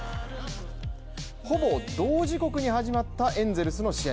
ほぼ同時刻に始まったエンゼルスの試合